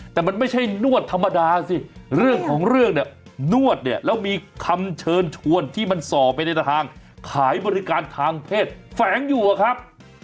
แต่มันไม่ใช่นวดธรรมดาสิเรื่องของเรื่องเนี่ยนวดเนี่ยแล้วมีคำเชิญชวนที่มันส่อไปในทางขายบริการทางเพศแฝงอยู่อะครับ